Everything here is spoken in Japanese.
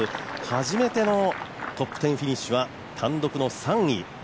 初めてのトップ１０フィニッシュは単独の３位。